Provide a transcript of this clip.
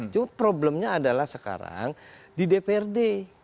cuma problemnya adalah sekarang di dprd